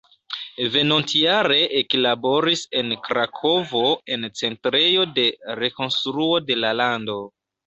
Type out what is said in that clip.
Venontjare eklaboris en Krakovo en Centrejo de Rekonstruo de la Lando.